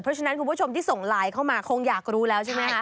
เพราะฉะนั้นคุณผู้ชมที่ส่งไลน์เข้ามาคงอยากรู้แล้วใช่ไหมคะ